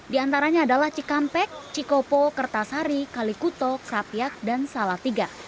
di antaranya adalah cikampek cikopo kertasari kalikuto krapiak dan salatiga